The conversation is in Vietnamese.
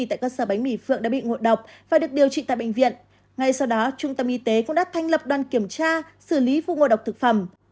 tại cơ sở bánh mì phượng đã bị ngộ độc và được điều trị tại bệnh viện ngay sau đó trung tâm y tế cũng đã thành lập đoàn kiểm tra xử lý vụ ngộ độc thực phẩm